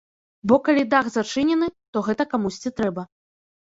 Бо калі дах зачынены, то гэта камусьці трэба.